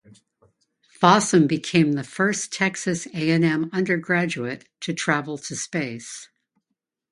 Fossum became the first Texas A and M undergraduate to travel to space.